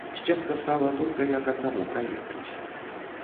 Сценка стала толькі як аднаму праехаць.